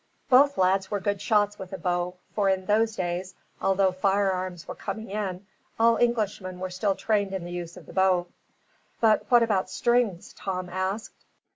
Both lads were good shots with a bow, for in those days, although firearms were coming in, all Englishmen were still trained in the use of the bow. "But what about strings?" Tom asked.